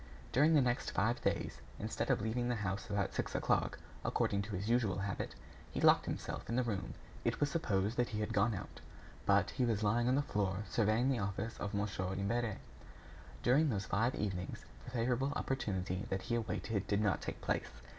During the next five days, instead of leaving the house about six o'clock, according to his usual habit, he locked himself in his room. It was supposed that he had gone out. But he was lying on the floor surveying the office of Mon. Imbert. During those five evenings, the favorable opportunity that he awaited did not take place.